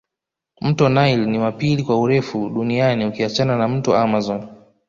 Mto nile ni wa pili kwa urefu duniani ukiachana na mto amazon